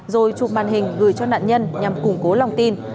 rồi chụp màn hình gửi cho nạn nhân nhằm củng cố lòng tin